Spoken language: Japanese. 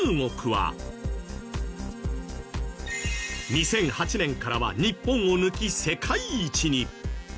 ２００８年からは日本を抜き世界一に。